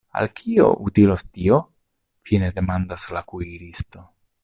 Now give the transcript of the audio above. Al kio utilos tio?fine demandas la kuiristo.